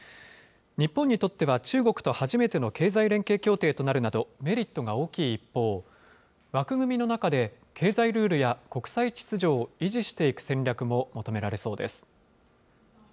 日本にとっては中国と初めての経済連携協定となるなど、メリットが大きい一方、枠組みの中で経済ルールや国際秩序を維持していく戦略も求められそうです。